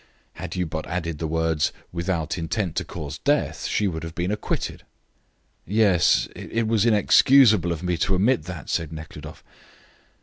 Had you but added the words, 'without intent to cause death,' she would have been acquitted." "Yes, it was inexcusable of me to omit that," said Nekhludoff.